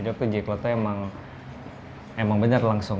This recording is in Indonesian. hidup tuh jacklot nya emang benar langsung